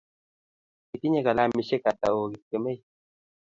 Itinye kilamisyek atak oo Kipkemei?